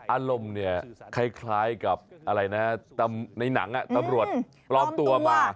อารมณ์เนี่ยคล้ายกับอะไรนะในหนังตำรวจปลอมตัวมา